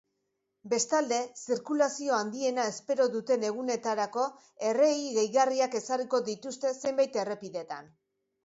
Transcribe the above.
Bestalde, zirkulazio handiena espero duten egunetarako errei gehigarriak ezarriko dituzte zenbait errepidetan.